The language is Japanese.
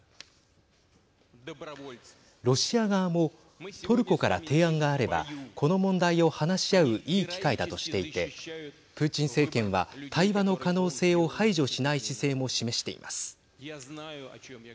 ロシア側もトルコから提案があればこの問題を話し合ういい機会だとしていてプーチン政権は対話の可能性を排除しない姿勢も示しています。